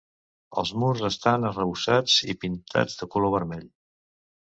Els murs estant arrebossats i pintats de color vermell.